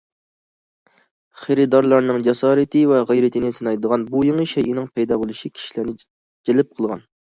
خېرىدارلارنىڭ جاسارىتى ۋە غەيرىتىنى سىنايدىغان بۇ يېڭى شەيئىنىڭ پەيدا بولۇشى، كىشىلەرنى جەلپ قىلغان.